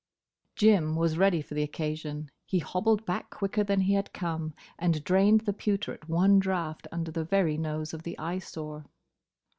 Jim was ready for the occasion. He hobbled back quicker than he had come, and drained the pewter at one draught under the very nose of the Eyesore.